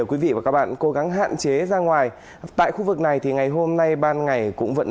quý vị và các bạn cố gắng hạn chế ra ngoài tại khu vực này thì ngày hôm nay ban ngày cũng vẫn